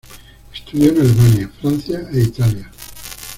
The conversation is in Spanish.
Estudió en Alemania, Francia e Italia.